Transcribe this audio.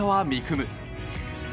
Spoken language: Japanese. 夢。